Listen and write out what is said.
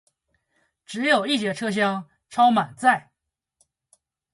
只有一节车厢超满载